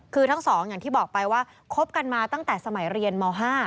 คือทั้งสองอย่างที่บอกไปว่าคบกันมาตั้งแต่สมัยเรียนม๕